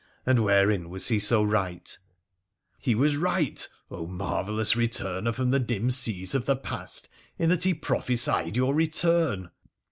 ' And wherein was he so right ?'' He was right, marvellous returner from the dim seas of the past, in that he prophesied your return